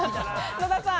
野田さん。